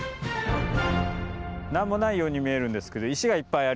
何もないように見えるんですけど石がいっぱいありますよね